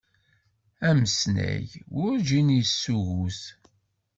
Amsnag, werǧin yessugut.